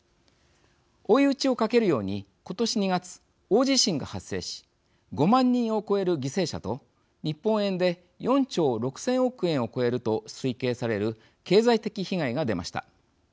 追い打ちをかけるように今年２月大地震が発生し５万人を超える犠牲者と日本円で４兆６，０００億円を超えると推計される経済的被害が出ました。